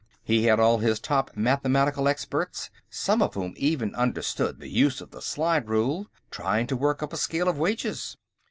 He had all his top mathematical experts, some of whom even understood the use of the slide rule, trying to work up a scale of wages.